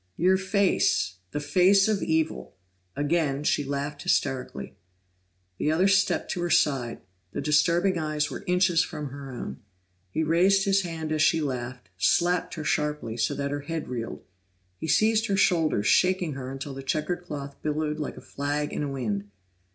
Your face the face of evil!" Again she laughed hysterically. The other stepped to her side; the disturbing eyes were inches from her own. He raised his hand as she laughed, slapped her sharply, so that her head reeled. He seized her shoulders, shaking her until the checkered cloth billowed like a flag in a wind.